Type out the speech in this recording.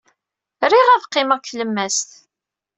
Riɣ ad qqimeɣ deg tlemmast.